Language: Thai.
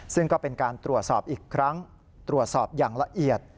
ซึ่งก็เป็นการตรวจสอบอีกครั้งตรวจสอบอย่างละเอียด